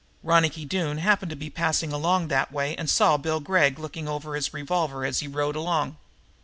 Ronicky Doone happened to be passing along that way and saw Bill Gregg looking over his revolver as he rode along.